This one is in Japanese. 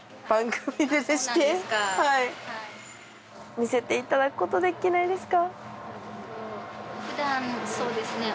見せていただくことできないですか？